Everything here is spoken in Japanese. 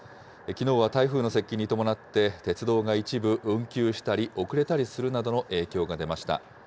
きのうは台風の接近に伴って、鉄道が一部運休したり、遅れたりするなどの影響が出ました。